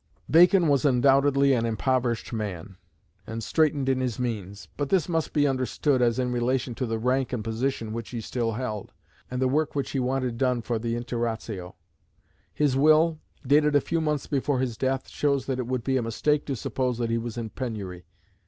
Bacon was undoubtedly an impoverished man, and straitened in his means; but this must be understood as in relation to the rank and position which he still held, and the work which he wanted done for the Instauratio. His will, dated a few months before his death, shows that it would be a mistake to suppose that he was in penury.